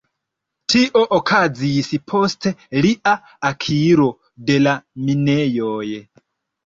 Tio okazis post lia akiro de la minejoj.